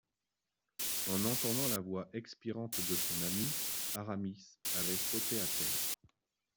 En entendant la voix expirante de son ami, Aramis avait sauté à terre.